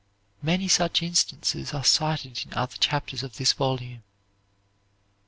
Many such instances are cited in other chapters of this volume.